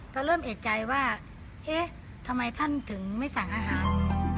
ก็เริ่มเอกใจว่าเอ๊ะทำไมท่านถึงไม่สั่งอาหาร